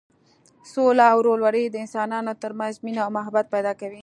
سوله او ورورولي د انسانانو تر منځ مینه او محبت پیدا کوي.